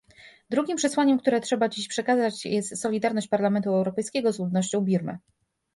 Drugim przesłaniem, które trzeba dziś przekazać, jest solidarność Parlamentu Europejskiego z ludnością Birmy